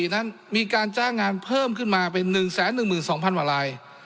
นั้นมีการจ้างงานเพิ่มขึ้นมาเป็น๑๑๒๐๐๐กว่าลาย